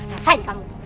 hah rasain kamu